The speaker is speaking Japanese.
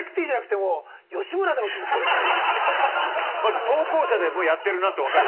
まず投稿者でやってるなと分かる。